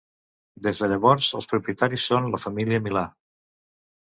Des de llavors els propietaris són la família Milà.